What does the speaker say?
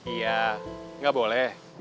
iya gak boleh